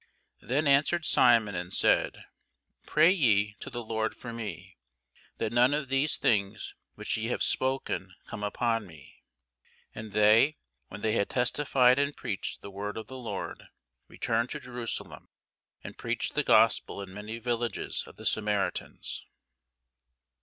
Then answered Simon, and said, Pray ye to the Lord for me, that none of these things which ye have spoken come upon me. And they, when they had testified and preached the word of the Lord, returned to Jerusalem, and preached the gospel in many villages of the Samaritans.